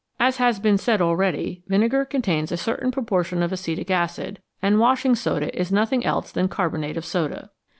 As has been said already, vinegar contains a certain pro portion of acetic acid, and washing soda is nothing else than carbonate of soda.